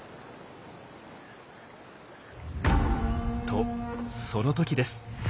とその時です。